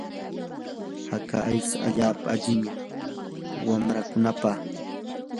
haka aycha allaapa allimi wanrakunapaq.